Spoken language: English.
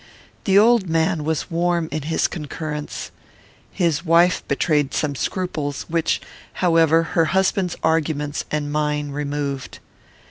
The old man was warm in his concurrence. His wife betrayed some scruples; which, however, her husband's arguments and mine removed.